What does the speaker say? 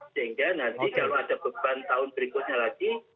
sehingga nanti kalau ada beban tahun berikutnya lagi